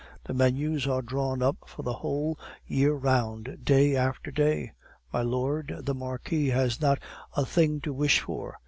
The menus are drawn up for the whole year round, day after day. My Lord the Marquis has not a thing to wish for.